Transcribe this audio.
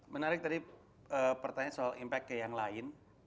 menarik tadi pertanyaan soal impact ke yang lain